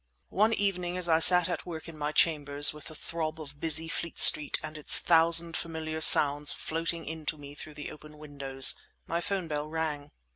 One evening as I sat at work in my chambers, with the throb of busy Fleet Street and its thousand familiar sounds floating in to me through the open windows, my phone bell rang.